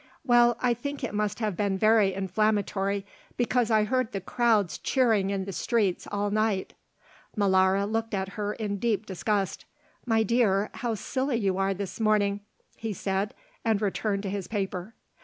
"Well, I think it must have been very inflammatory, because I heard the crowds cheering in the streets all night." Molara looked at her in deep disgust. "My dear, how silly you are this morning," he said and returned to his paper.